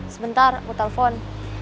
sebentar aku telfon